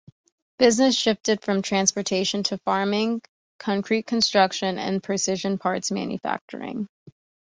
Business shifted from transportation to farming, concrete construction and precision parts manufacturing.